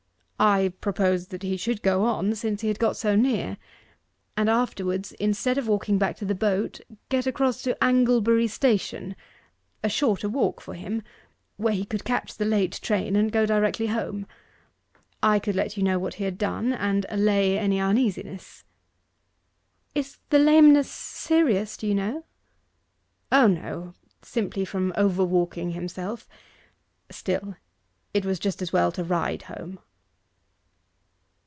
I proposed that he should go on, since he had got so near; and afterwards, instead of walking back to the boat, get across to Anglebury Station a shorter walk for him where he could catch the late train, and go directly home. I could let you know what he had done, and allay any uneasiness.' 'Is the lameness serious, do you know?' 'O no; simply from over walking himself. Still, it was just as well to ride home.